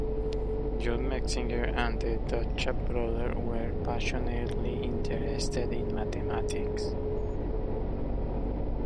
Jean Metzinger and the Duchamp brothers were passionately interested in mathematics.